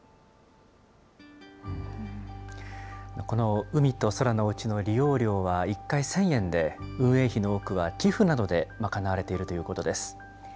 このうみとそらのおうちの利用料は１回１０００円で、運営費の多くは寄付などで賄われているということです。